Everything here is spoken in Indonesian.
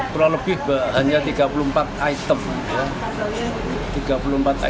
kurang lebih hanya tiga puluh empat item